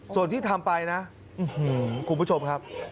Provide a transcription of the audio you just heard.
ส่วนที่ทำไปนะคุณผู้ชมครับ